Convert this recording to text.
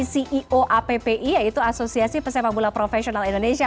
ceo appi yaitu asosiasi pesepak bola profesional indonesia